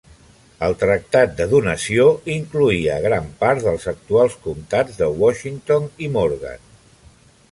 El Tractat de Donació incloïa gran part dels actuals comtats de Washington i Morgan.